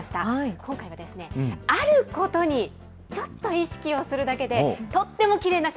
今回は、あることにちょっと意識をするだけで、とってもきれいななんだ？